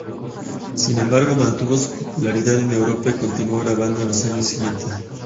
Sin embargo, mantuvo su popularidad en Europa y continuó grabando en los años siguientes.